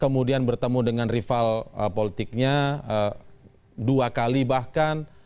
kemudian bertemu dengan rival politiknya dua kali bahkan